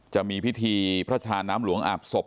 จะมีพิธีพระชาน้ำหลวงอาบศพ